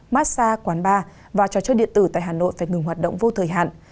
massage quán bar và trò chơi điện tử tại hà nội phải ngừng hoạt động vô thời hạn